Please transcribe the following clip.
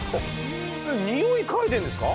ニオイ嗅いでんですか？